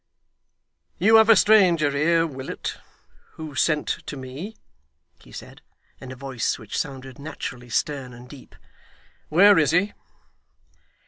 'You have a stranger here, Willet, who sent to me,' he said, in a voice which sounded naturally stern and deep. 'Where is he?